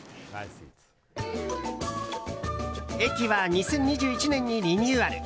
駅は２０２１年にリニューアル。